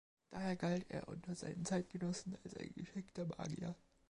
Daher galt er unter seinen Zeitgenossen als ein geschickter Magier.